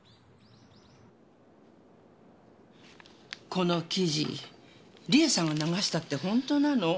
この記事理恵さんが流したって本当なの？